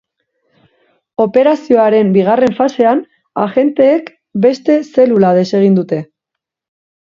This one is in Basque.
Operazioaren bigarren fasean, agenteek beste zelula desegin dute.